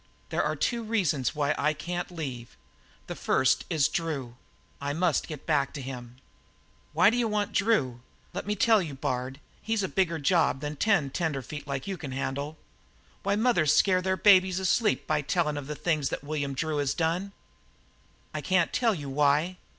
"There are two reasons why I can't leave. The first is Drew. I must get back to him." "Why d'you want Drew? Let me tell you, Bard, he's a bigger job than ten tenderfeet like you could handle. Why, mothers scare their babies asleep by tellin' of the things that William Drew has done." "I can't tell you why.